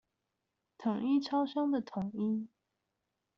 統一超商的統一